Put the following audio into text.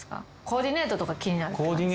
コーディネートとか気になる？